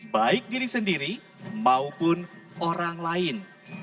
baik diri sendiri maupun orang lain